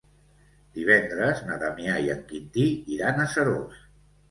Divendres na Damià i en Quintí iran a Seròs.